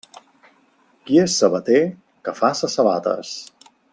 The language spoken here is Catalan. Qui és sabater, que faça sabates.